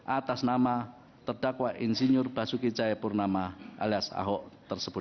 atas nama terdakwa insinyur basuki cahayapurnama alias hauk